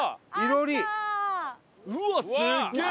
うわすげえ！